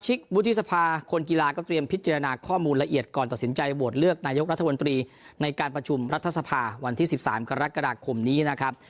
วุฒิสภาคนกีฬาก็เตรียมพิจารณาข้อมูลละเอียดก่อนตัดสินใจโหวตเลือกนายกรัฐมนตรีในการประชุมรัฐสภาวันที่๑๓กรกฎาคมนี้นะครับ